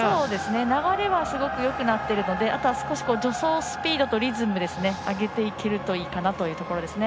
流れはすごくよくなっているのであとは少し助走スピードとリズムを上げていけるといいかなというところですね。